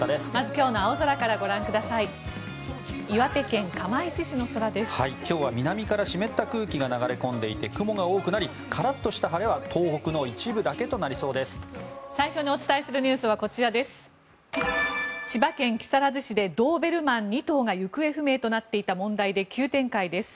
今日は南から湿った空気が流れ込んでいて雲が多くなりカラッとした晴れは東北の一部だけとなりそうです。